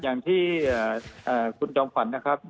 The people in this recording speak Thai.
อย่างที่คุณจอมขวัญนะครับ